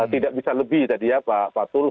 tidak bisa lebih tadi ya pak fatul